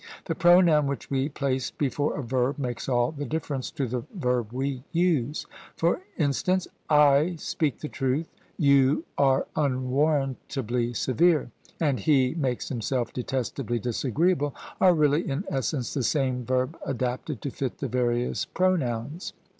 The pronoun which we place before a verb makes all the differ ence to the verb we use. For instance, "/ speak the truth," " You are unwarrantably severe," and " He makes himself detestably disagreeable," are really in essence the same verb adapted to fit the various pronoims.